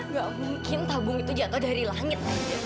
nggak mungkin tabung itu jatuh dari langit